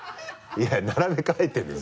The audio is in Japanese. いや並べ替えてるのよ